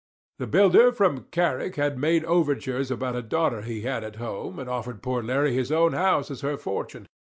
The builder from Carrick had made overtures about a daughter he had at home, and offered poor Larry his own house, as her fortune.